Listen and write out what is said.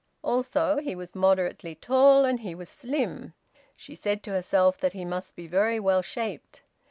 Also he was moderately tall and he was slim. She said to herself that he must be very well shaped.